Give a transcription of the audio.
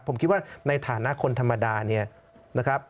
ผมคิดว่าในฐานะคนธรรมดาเนี่ยนะครับ